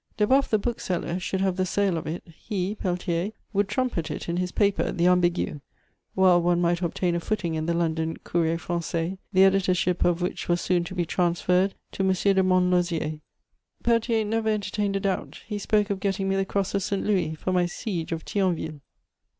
Deboffe the bookseller should have the sale of it; he, Peltier, would trumpet it in his paper, the Ambigu, while one might obtain a footing in the London Courrier français, the editorship of which was soon to be transferred to M. de Montlosier. Peltier never entertained a doubt: he spoke of getting me the Cross of St. Louis for my siege of Thionville.